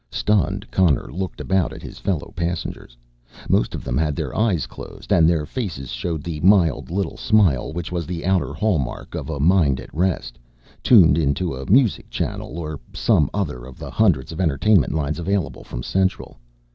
Stunned, Connor looked about at his fellow passengers. Most of them had their eyes closed and their faces showed the mild little smile which was the outer hallmark of a mind at rest, tuned in to a music channel or some other of the hundreds of entertainment lines available from Central.